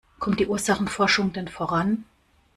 Kommt die Ursachenforschung denn voran?